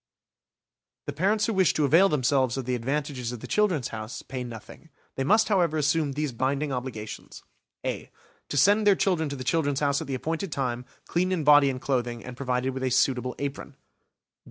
The parents who wish to avail themselves of the advantages of the "Children's House" pay nothing. They must, however, assume these binding obligations: (a) To send their children to the "Children's House" at the appointed time, clean in body and clothing, and provided with a suitable apron.